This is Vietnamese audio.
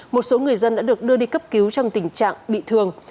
một số người dân đã được đưa đi cấp cứu trong tình trạng bị thương